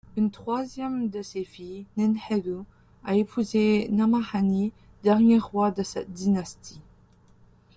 Une troisième de ses filles, Nin-hedu, a épousé Nammahani, dernier roi de cette dynastie.